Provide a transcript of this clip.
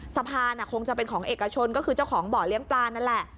สะพานคงจะเป็นของเอกชนก็คือเจ้าของบ่อเลี้ยงปลานั่นแหละ